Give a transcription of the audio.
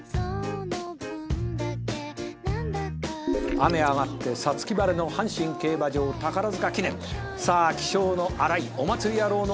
「雨上がって五月晴れの阪神競馬場宝塚記念」「さあ気性の荒いお祭り野郎のお通りだ」